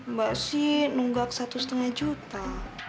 mbak sih nunggak satu lima juta